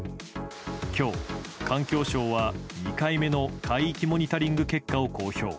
今日、環境省は２回目の海域モニタリング結果を公表。